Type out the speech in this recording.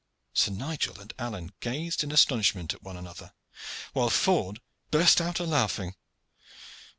Sir Nigel and Alleyne gazed in astonishment at one another, while Ford burst out a laughing.